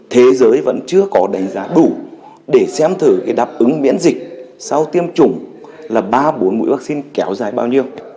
thế giới vẫn chưa có đánh giá đủ để xem thử đáp ứng miễn dịch sau tiêm chủng là ba bốn mũi vaccine kéo dài bao nhiêu